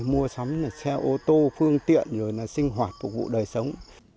mua sắm xe ô tô phương tiện sinh hoạt phục vụ đời sống